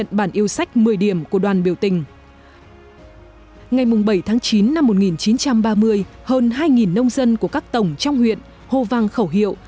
ngày bảy tháng chín năm một nghìn chín trăm ba mươi hơn hai nông dân của các tổng trong huyện hồ vang khẩu hiệu